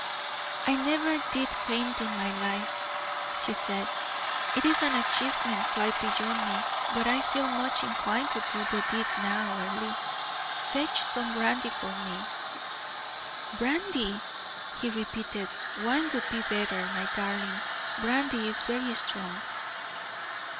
"I never did faint in my life," she said "it is an achievement quite beyond me but I feel much inclined to do the deed now. Earle, fetch some brandy for me." "Brandy!" he repeated. "Wine would be better, my darling; brandy is very strong."